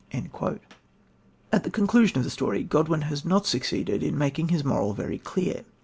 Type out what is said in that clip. At the conclusion of the story, Godwin has not succeeded in making his moral very clear.